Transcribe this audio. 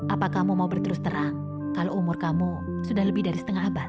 apakah kamu mau berterus terang kalau umur kamu sudah lebih dari setengah abad